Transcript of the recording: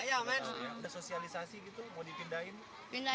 pindahinnya kita nggak tahu di mana